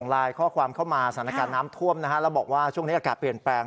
ไลน์ข้อความเข้ามาสถานการณ์น้ำท่วมนะฮะแล้วบอกว่าช่วงนี้อากาศเปลี่ยนแปลง